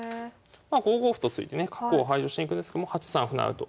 まあ５五歩と突いてね角を排除しに行くんですけども８三歩成と。